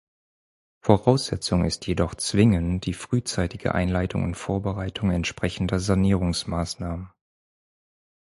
Voraussetzung ist jedoch zwingend die frühzeitige Einleitung und Vorbereitung entsprechender Sanierungsmaßnahmen.